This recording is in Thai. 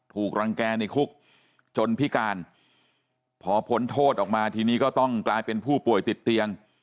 ถูกรังแก่ในคุกจนพิการพอพ้นโทษออกมาทีนี้ก็ต้องกลายเป็นผู้ป่วยติดเตียง